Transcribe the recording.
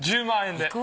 １０万円で。